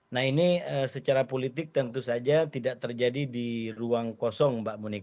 nah ini secara politik tentu saja tidak terjadi di ruang kosong mbak monika